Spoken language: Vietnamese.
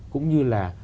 cũng như là